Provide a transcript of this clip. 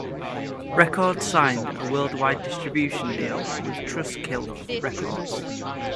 Records signed a worldwide distribution deal with Trustkill Records.